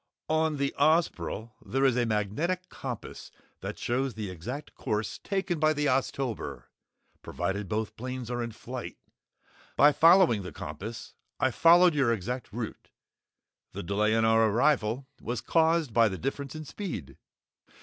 "On the Ozpril there is a magnetic compass that shows the exact course taken by the Oztober, provided both planes are in flight. By following the compass, I followed your exact route. The delay in our arrival was caused by the difference in speed!"